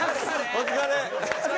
お疲れ。